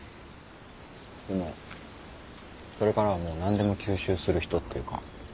それからはもう何でも吸収する人っていうか。